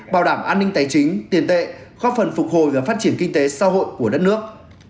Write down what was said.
bảo đảm an ninh tài chính tiền tệ góp phần phục hồi và phát triển kinh tế xã hội của đất nước